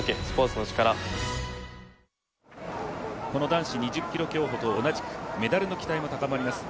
男子２０ｋｍ競歩と同じくメダルの期待が高まります